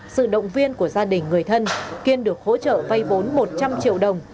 sự động viên của gia đình người thân kiên được hỗ trợ vây bốn một trăm linh triệu đồng